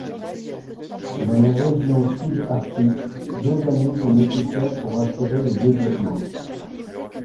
Dans les régions sub-arctiques deux années sont nécessaires pour assurer le développement.